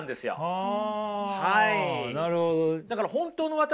あなるほど。